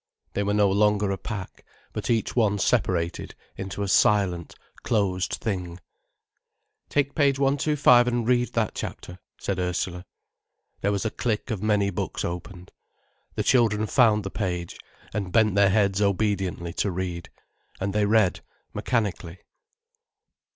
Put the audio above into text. They were no longer a pack, but each one separated into a silent, closed thing. "Take page 125, and read that chapter," said Ursula. There was a click of many books opened. The children found the page, and bent their heads obediently to read. And they read, mechanically.